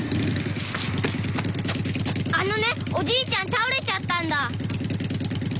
あのねおじいちゃん倒れちゃったんだ。